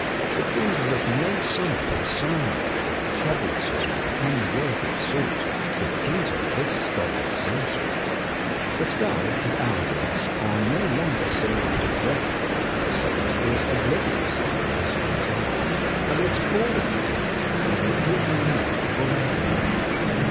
It seems as if no sight or sound of troublous or unworthy sort could enter this scholar's sanctuary. The skull and hourglass are no longer symbols of dread. The saint is oblivious of the passage of time, and looks forward to death as the opening of fuller knowledge.